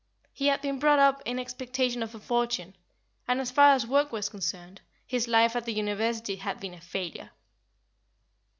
He had been brought up in expectation of a fortune; and, as far as work was concerned, his life at the university had been a failure.